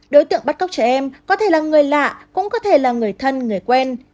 đối tượng bắt cóc trẻ em có thể là người lạ cũng có thể là người thân người quen